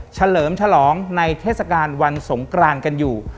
เฉลิมฉลองในเทศกาลวันสงกรานกันอยู่